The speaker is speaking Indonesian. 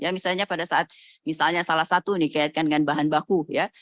misalnya pada saat salah satu dikaitkan dengan bahan baku